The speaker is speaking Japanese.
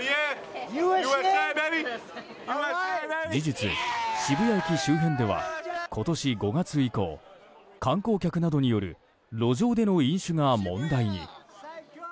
事実、渋谷駅周辺では今年５月以降観光客などによる路上での飲酒が問題に。